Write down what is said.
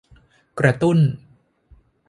กระตุ้น